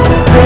aku mau pergi